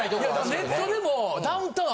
ネットでも。